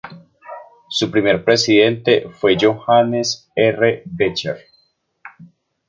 Su primer presidente fue Johannes R. Becher.